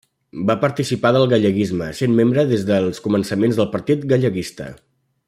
Va participar del galleguisme, sent membre des dels començaments del Partit Galleguista.